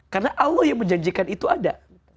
karena allah yang menjanjikan itu ada